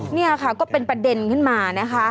นี่ค่ะก็เป็นประเด็นขึ้นมานะคะ